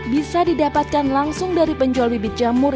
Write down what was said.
bisa didapatkan langsung dari penjual bibit jamur